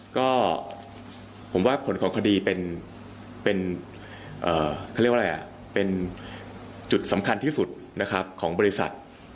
ก็ผมว่าผลของคดีเป็นจุดสำคัญที่สุดของบริษัท